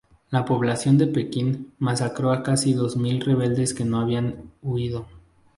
La población de Pekín masacró a casi dos mil rebeldes que no habían huido.